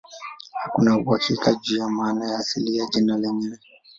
Hakuna uhakika juu ya maana ya asili ya jina lenyewe.